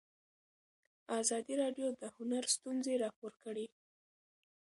ازادي راډیو د هنر ستونزې راپور کړي.